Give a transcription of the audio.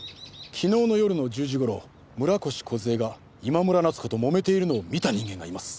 昨日の夜の１０時頃村越梢が今村奈津子ともめているのを見た人間がいます。